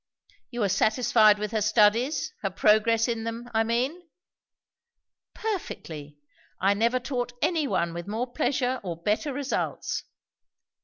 "You are satisfied with her studies, her progress in them, I mean?" "Perfectly. I never taught any one with more pleasure or better results."